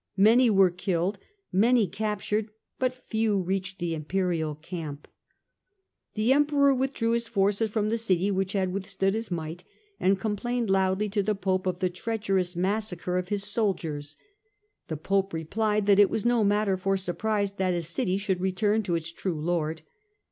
Many were killed, many captured, but few reached the Imperial camp. The Emperor withdrew his forces from the city which had withstood his might, and complained loudly to the Pope of the treacherous massacre of his soldiers. 214 STUPOR MUNDI The Pope replied that it was no matter for surprise that a city should return to its true Lord.